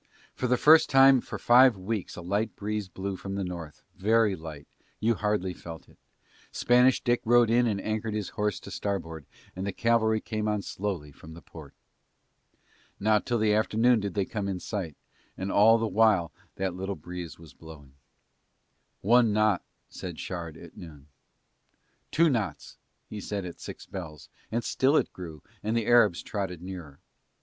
For the first time for five weeks a light breeze blew from the North, very light, you hardly felt it. Spanish Dick rode in and anchored his horse to starboard and the cavalry came on slowly from the port. Not till the afternoon did they come in sight, and all the while that little breeze was blowing. "One knot," said Shard at noon. "Two knots," he said at six bells and still it grew and the Arabs trotted nearer.